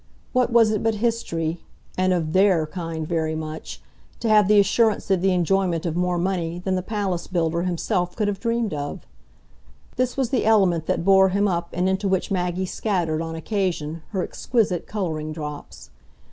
What was it but history, and of THEIR kind very much, to have the assurance of the enjoyment of more money than the palace builder himself could have dreamed of? This was the element that bore him up and into which Maggie scattered, on occasion, her exquisite colouring drops.